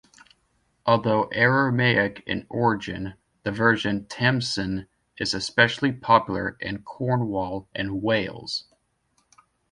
Although Aramaic in origin, the version "Tamsin" is especially popular in Cornwall and Wales.